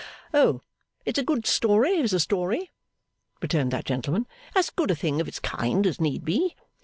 'Oh, it's a good story, as a story,' returned that gentleman; 'as good a thing of its kind as need be.